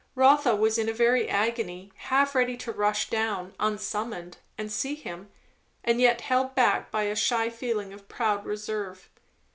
Rotha was in a very agony, half ready to rush down, unsummoned, and see him; and yet held back by a shy feeling of proud reserve.